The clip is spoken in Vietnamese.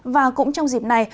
và cũng trong dịp này